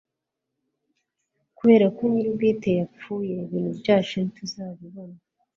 kubera ko nyir’ ubwite yapfuye ibintu byacu ntituzabibona